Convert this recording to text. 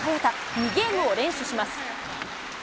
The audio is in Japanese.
２ゲームを連取します。